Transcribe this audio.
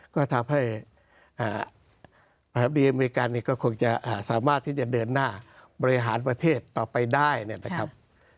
ก็ทำให้ดีอเมริกันก็คงจะสามารถที่จะเดินหน้าบริหารประเทศต่อไปได้เนี่ยนะครับ